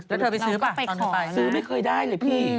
แล้วเธอไปซื้อป่ะซื้อไม่เคยได้เลยพี่